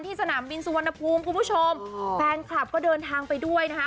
สนามบินสุวรรณภูมิคุณผู้ชมแฟนคลับก็เดินทางไปด้วยนะคะ